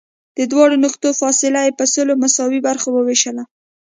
دواړو نقطو فاصله یې په سلو مساوي برخو ووېشله.